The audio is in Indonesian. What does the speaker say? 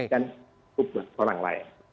dan untuk orang lain